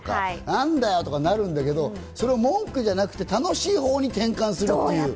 なんだよってなるんだけども、文句じゃなくて楽しいほうに転換するという。